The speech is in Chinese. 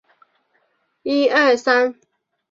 本循环于西班牙格拉诺列尔斯举行。